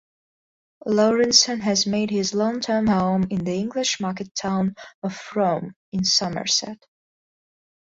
Laurenson has made his long-term home in the English market-town of Frome in Somerset.